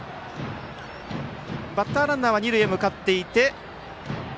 バッターランナーは二塁に向かっていて。